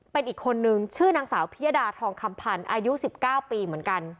เป็นอีกคนนึงชื่อนางสาวพิยดาทองคำพันธ์อายุ๑๙ปีเหมือนกัน